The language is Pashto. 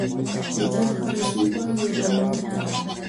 د ژوند هره شېبه یو غنیمت ده.